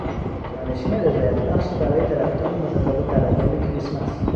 جانشین رضایتبخشی برای درختان متداول در ایام کریسمس